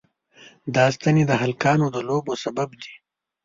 دا ستنې د هلکانو د لوبو سبب دي.